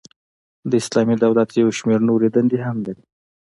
د اسلامی دولت یو شمیر نوري دندي هم لري.